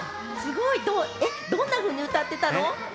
どんなふうに歌ってたの？